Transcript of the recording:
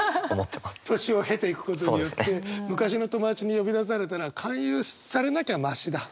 年を経ていくことによって昔の友達に呼び出されたら勧誘されなきゃマシだ。